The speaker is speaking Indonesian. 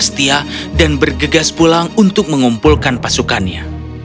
mereka berjalan dengan pastia dan bergegas pulang untuk mengumpulkan pasukannya